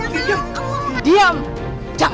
hai tuh nyamperin tuh loh